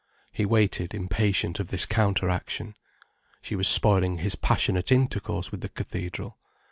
He waited impatient of this counteraction. She was spoiling his passionate intercourse with the cathedral.